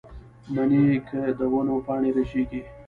مني کې د ونو پاڼې رژېږي